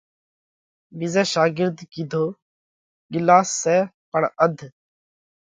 ٻِيزئہ شاڳرڌ ڪِيڌو: ڳِلاس سئہ پڻ اڌ۔